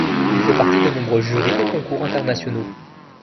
Il fait partie de nombreux jurys de concours internationaux.